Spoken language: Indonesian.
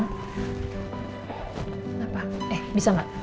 kenapa eh bisa mbak